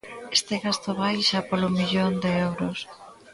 Este gasto vai xa polo millón de euros.